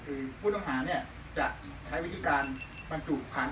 คือผู้ตำหรางหาก็ใช้วิธีการรับจูบมัน